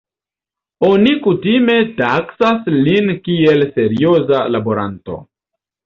Oni kutime taksas lin kiel serioza laboranto.